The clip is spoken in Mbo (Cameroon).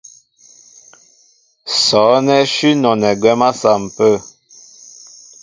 Sɔ́' ánɛ́ shʉ́ nɔna gwɛ̌m á saḿpə.